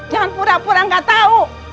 jangan pura pura nggak tahu